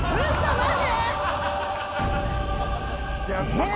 マジ！？